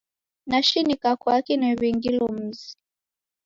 Nashinika kwaki niw'ingilo mzi.